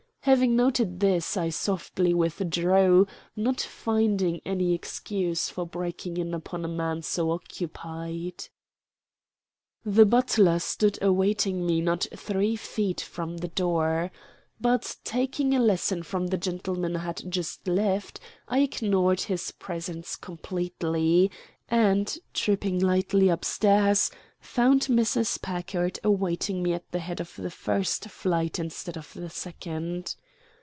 Having noted this, I softly withdrew, not finding any excuse for breaking in upon a man so occupied. The butler stood awaiting me not three feet from the door. But taking a lesson from the gentleman I had just left, I ignored his presence completely, and, tripping lightly up stairs, found Mrs. Packard awaiting me at the head of the first flight instead of the second.